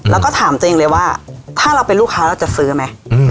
แล้วก็ถามตัวเองเลยว่าถ้าเราเป็นลูกค้าเราจะซื้อไหม